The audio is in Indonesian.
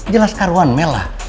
jelas karuan mel lah